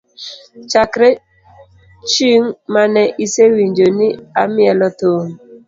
Chakre ching mane isewinjo ni amielo thum?